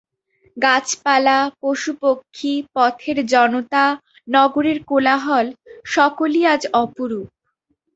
গাছপালা, পশুপক্ষী, পথের জনতা, নগরের কোলাহল, সকলই আজ অপরূপ।